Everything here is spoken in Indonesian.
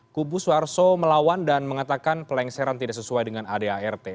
kubu suharto melawan dan mengatakan pelengseran tidak sesuai dengan adart